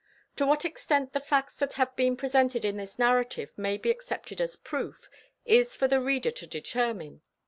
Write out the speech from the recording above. To what extent the facts that have been presented in this narrative may be accepted as proof, is for the reader to determine.